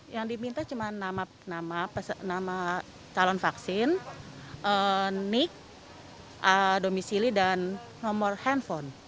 yang diminta cuma nama calon vaksin nic domisili dan nomor handphone